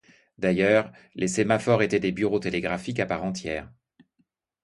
D'ailleurs, les sémaphores étaient des bureaux télégraphiques à part entière.